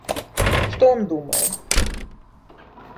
Что он думает?